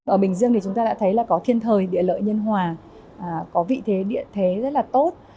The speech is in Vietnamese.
ở bình dương thì chúng ta đã thấy là có thiên thời địa lợi nhân hòa có vị thế địa thế rất là tốt